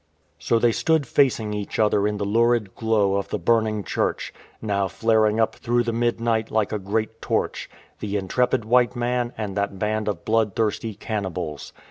So they stood facing each other in the lurid glow of the burning church, now flaring up through the midnight like a great torch — the intrepid white man and that band of bloodthirsty cannibals.